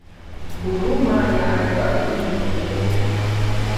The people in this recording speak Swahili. Huruma ya ajabu kuliko zote!